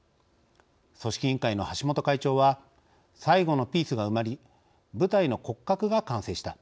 組織委員会の橋本会長は最後のピースが埋まり舞台の骨格が完成した。